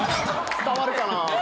・伝わるかな？